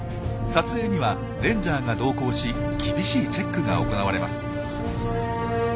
撮影にはレンジャーが同行し厳しいチェックが行われます。